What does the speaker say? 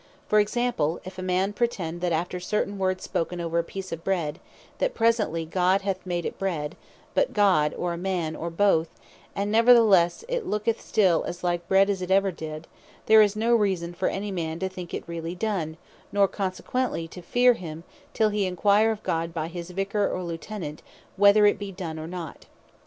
For Example; if a man pretend, that after certain words spoken over a peece of bread, that presently God hath made it not bread, but a God, or a man, or both, and neverthelesse it looketh still as like bread as ever it did; there is no reason for any man to think it really done; nor consequently to fear him, till he enquire of God, by his Vicar, or Lieutenant, whether it be done, or not.